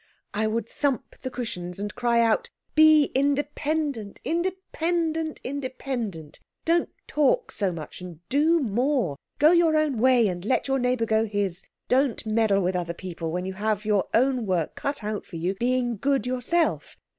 "I would thump the cushions, and cry out, 'Be independent, independent, independent! Don't talk so much, and do more. Go your own way, and let your neighbour go his. Don't meddle with other people when you have all your own work cut out for you being good yourself.